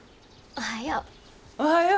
おはよう。